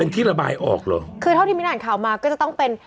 เป็นที่ระบายออกเหรอคือเท่าที่มินอ่านข่าวมาก็จะต้องเป็น